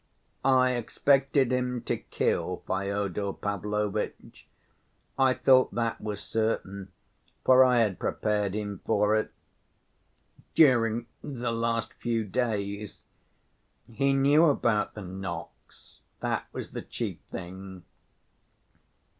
"I expected him to kill Fyodor Pavlovitch. I thought that was certain, for I had prepared him for it ... during the last few days.... He knew about the knocks, that was the chief thing.